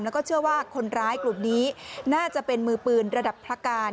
แล้วก็เชื่อว่าคนร้ายกลุ่มนี้น่าจะเป็นมือปืนระดับพระการ